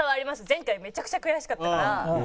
前回めちゃくちゃ悔しかったから。